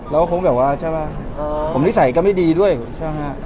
แล้วก็คงแบบว่าใช่ป่ะผมนิสัยก็ไม่ดีด้วยใช่ไหมฮะ